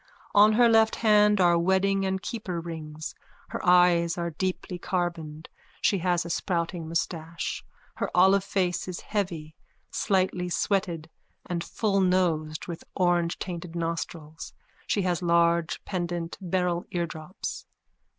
_On her left hand are wedding and keeper rings. Her eyes are deeply carboned. She has a sprouting moustache. Her olive face is heavy, slightly sweated and fullnosed with orangetainted nostrils. She has large pendant beryl eardrops.)